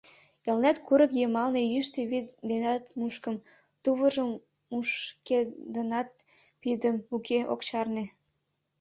Элнет курык йымалне йӱштӧ вӱд денат мушкым, тувыржым кушкедынат пидым — уке, ок чарне.